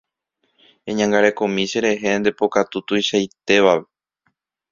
Eñangarekomi cherehe nde pokatu tuichaitévape.